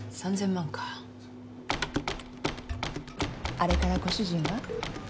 あれからご主人は？